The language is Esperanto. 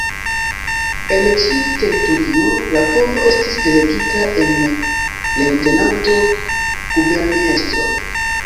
En ĉiu teritorio la povo estis delegita en Leŭtenanto-Guberniestro.